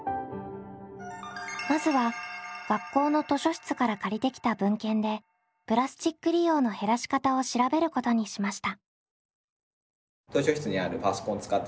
まずは学校の図書室から借りてきた文献でプラスチック利用の減らし方を調べることにしました。